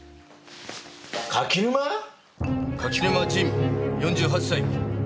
柿沼仁４８歳。